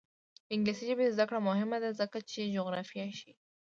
د انګلیسي ژبې زده کړه مهمه ده ځکه چې جغرافیه ښيي.